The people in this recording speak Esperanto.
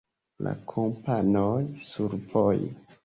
La Kompanoj: Survoje.